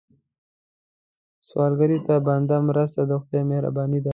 سوالګر ته بنده مرسته، د خدای مهرباني ده